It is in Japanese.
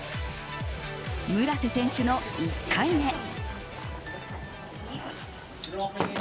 村瀬選手の１回目。